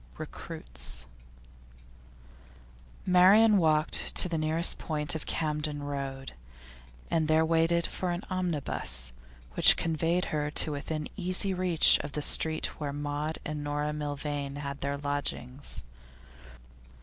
RECRUITS Marian walked to the nearest point of Camden Road, and there waited for an omnibus, which conveyed her to within easy reach of the street where Maud and Dora Milvain had their lodgings.